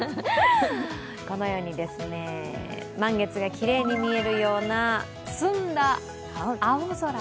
このように満月が、きれいに見えるような澄んだ青空。